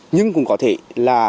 nhưng cũng có thể là